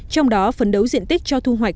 trong đó phấn đấu diện tích cho thu hoạch